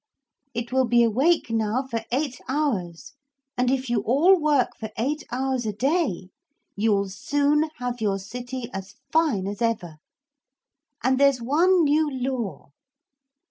It will be awake now for eight hours and if you all work for eight hours a day you'll soon have your city as fine as ever. And there's one new law.